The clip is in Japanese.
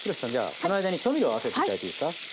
その間に調味料を合わせて頂いていいですか。